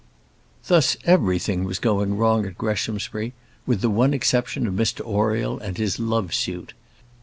Thus everything was going wrong at Greshamsbury with the one exception of Mr Oriel and his love suit.